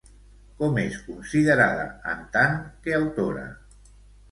Com és considerada, en tant que autora?